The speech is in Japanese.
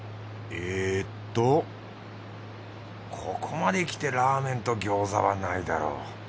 ここまで来てラーメンと餃子はないだろう。